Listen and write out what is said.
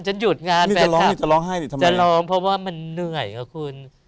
ฉันหยุดงานแฟนคลับนี่จะร้องทำไมจะร้องเพราะว่ามันเหนื่อยอ่ะคุณ